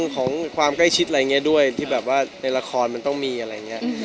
ของความใกล้ชิดอะไรอย่างนี้ด้วย